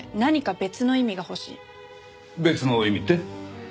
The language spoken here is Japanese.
別の意味って？